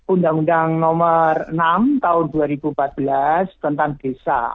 undang undang nomor enam tahun dua ribu empat belas tentang desa